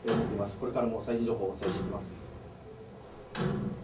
これからも最新情報をお伝えしていきます。